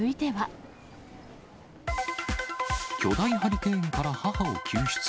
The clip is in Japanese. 巨大ハリケーンから母を救出。